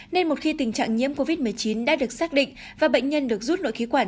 nên một khi tình trạng nhiễm covid một mươi chín đã được xác định và bệnh nhân được rút nội khí quản